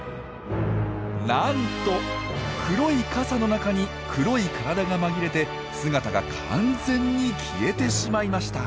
なんと黒い傘の中に黒い体が紛れて姿が完全に消えてしまいました！